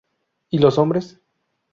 Y los hombres"